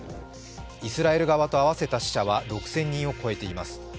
イスラエル側と合わせた死者は６０００人を超えています。